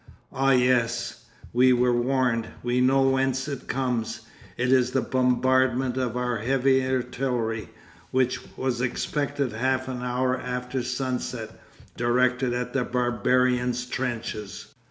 Ah yes, we were warned, we know whence it comes; it is the bombardment of our heavy artillery, which was expected half an hour after sunset, directed at the barbarians' trenches.